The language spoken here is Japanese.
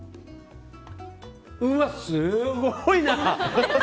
うわ、すごいな！